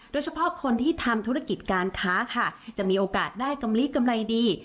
โดยเฉพาะคนที่ทำธุรกิจการค้าค่ะจะมีโอกาสได้กำลิกำไรดี